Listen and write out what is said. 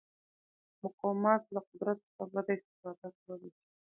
مقامات له قدرت څخه بده استفاده کولی شي.